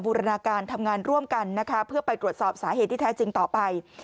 รณาการทำงานร่วมกันนะคะเพื่อไปตรวจสอบสาเหตุที่แท้จริงต่อไป